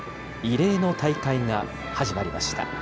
異例の大会が始まりました。